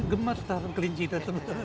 gemas dalam kelinci itu